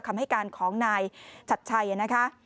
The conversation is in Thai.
คำให้การของนายชัดชัยนะคะ